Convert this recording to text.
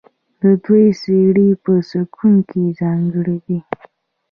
د دوی څیرې په سکو کې ځانګړې دي